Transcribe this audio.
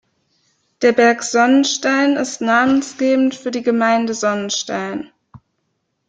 Der Berg Sonnenstein ist namensgebend für die Gemeinde Sonnenstein.